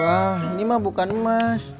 wah ini mah bukan emas